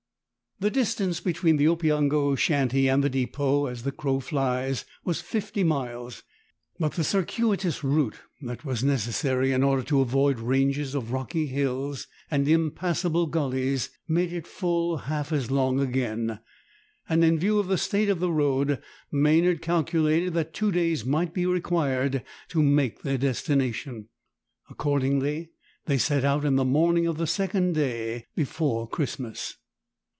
The distance between the Opeongo shanty and the depot, as the crow flies, was fifty miles; but the circuitous route that was necessary in order to avoid ranges of rocky hills and impassable gullies made it full half as long again, and, in view of the state of the road, Maynard calculated that two days might be required to make their destination. Accordingly they set out in the morning of the second day before Christmas.